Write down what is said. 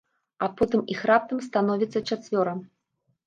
А потым іх раптам становіцца чацвёра.